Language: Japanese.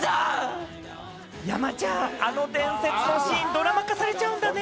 山ちゃん、あの伝説のシーン、ドラマ化されちゃうんだね。